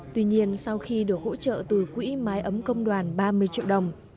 tuy nhiên sau khi được hỗ trợ từ quỹ mái ấm công đoàn ba mươi triệu đồng